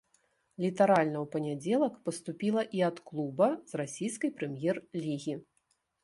Літаральна ў панядзелак паступіла і ад клуба з расійскай прэм'ер-лігі.